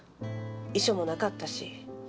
遺書もなかったし。